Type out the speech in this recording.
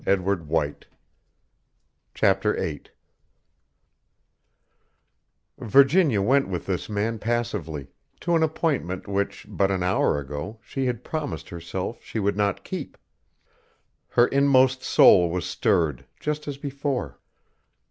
"_ Chapter Eight Virginia went with this man passively to an appointment which, but an hour ago, she had promised herself she would not keep. Her inmost soul was stirred, just as before.